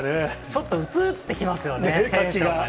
ちょっとうつってきますよね、活気が。